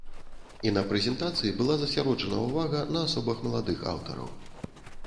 І на прэзентацыі была засяроджана ўвага на асобах маладых аўтараў.